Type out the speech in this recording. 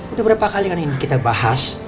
udah berapa kali kan ini kita bahas